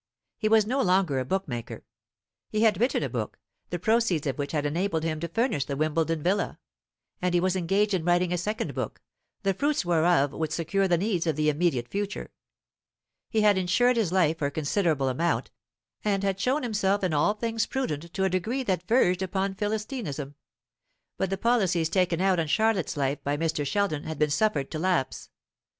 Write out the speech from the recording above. He was no longer a bookmaker. He had written a book, the proceeds of which had enabled him to furnish the Wimbledon villa; and he was engaged in writing a second book, the fruits whereof would secure the needs of the immediate future. He had insured his life for a considerable amount, and had shown himself in all things prudent to a degree that verged upon Philistinism. But the policies taken out on Charlotte's life by Mr. Sheldon had been suffered to lapse.